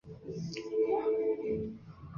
公共电视将这两场演讲的录影公开放送。